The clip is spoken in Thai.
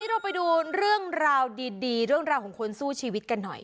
เราไปดูเรื่องราวดีเรื่องราวของคนสู้ชีวิตกันหน่อย